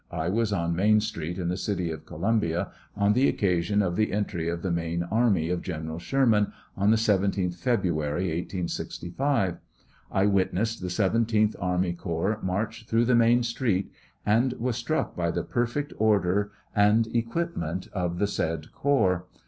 I was on Main street, in the City of Columbia, on the occasion of the entry of the main army of General Sherman, on the 17th Feb ruary, 1865. I witnessed the seventeenth army corps march through the Main street, and was struck by the 23 perfect order and equipment of the said corps.